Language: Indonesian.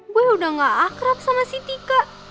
gue udah gak akrab sama si tika